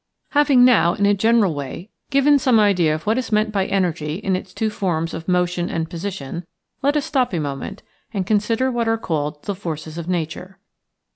Having now, in a general way, given some idea of what is meant by Energy, in its two forms of motion and position, let us stop a moment and consider what are called the forces of nature.